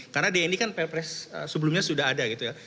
karena dni kan perpres sebelumnya sudah ada gitu ya